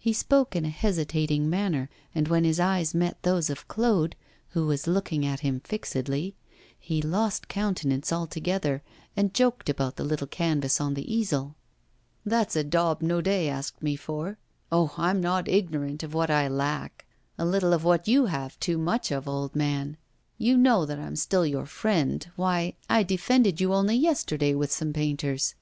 He spoke in a hesitating manner, and when his eyes met those of Claude, who was looking at him fixedly, he lost countenance altogether, and joked about the little canvas on the easel. 'That's a daub Naudet asked me for. Oh! I'm not ignorant of what I lack a little of what you have too much of, old man. You know that I'm still your friend; why, I defended you only yesterday with some painters.